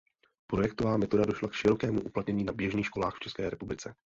Projektová metoda došla k širokému uplatnění na běžných školách v České republice.